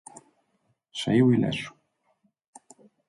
Saíu ileso.